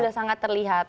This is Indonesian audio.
sudah sangat terlihat